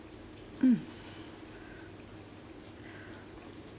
うん。